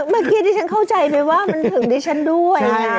เมื่อกี้ที่ฉันเข้าใจไปว่ามันถึงดิฉันด้วย